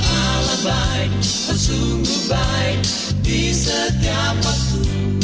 alam baik oh sungguh baik di setiap waktu